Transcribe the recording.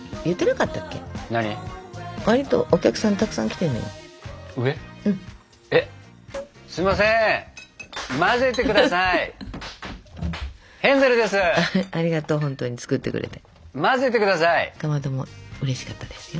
かまどもうれしかったですよ。